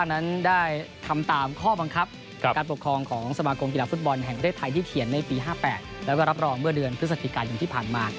ในปี๕๘แล้วก็รับรองเมื่อเดือนพฤษฐการณ์อย่างที่ผ่านมา